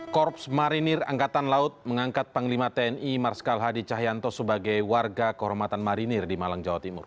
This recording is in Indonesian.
korps marinir angkatan laut mengangkat panglima tni marskal hadi cahyanto sebagai warga kehormatan marinir di malang jawa timur